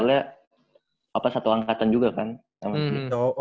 iya soalnya satu angkatan juga kan sama kita